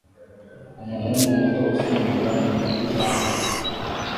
umuhungu muto usimbuka mu gihu cy'amazi